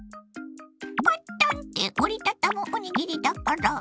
パッタンって折り畳むおにぎりだから。